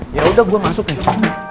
yaudah gue masuk nih